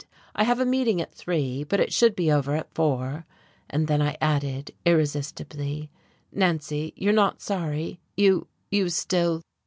"I have a meeting at three, but it should be over at four." And then I added irresistibly: "Nancy, you're not sorry? You you still